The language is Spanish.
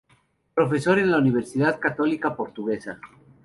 Profesor en la Universidad Católica Portuguesa.